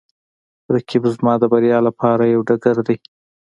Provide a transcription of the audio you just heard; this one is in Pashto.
رقیب زما د بریا لپاره یوه ډګر دی